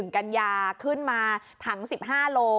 กัญญาขึ้นมาถัง๑๕โล